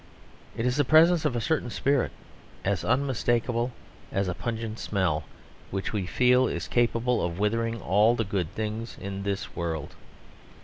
It is the presence of a certain spirit, as unmistakable as a pungent smell, which we feel is capable of withering all the good things in this world.